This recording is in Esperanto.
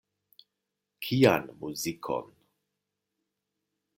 Kian muzikon?